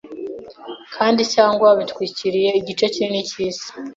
kandi cyangwa bitwikiriye igice kinini cyisi